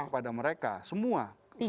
kepada mereka semua